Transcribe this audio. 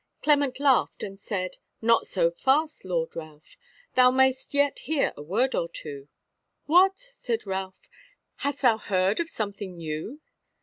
Clement laughed and said: "Not so fast, Lord Ralph; thou mayst yet hear a word or two." "What!" said Ralph, "hast thou heard of something new?"